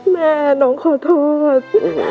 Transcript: แม่น้องขอโทษ